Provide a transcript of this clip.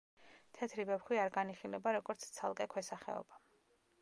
თეთრი ვეფხვი არ განიხილება როგორც ცალკე ქვესახეობა.